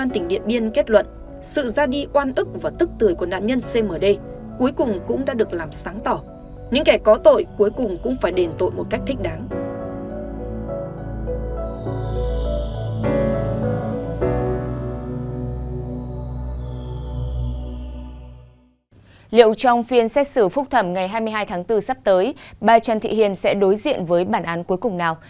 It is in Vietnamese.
trên xét xử phúc thẩm ngày hai mươi hai tháng bốn sắp tới ba trần thị hiền sẽ đối diện với bản án cuối cùng nào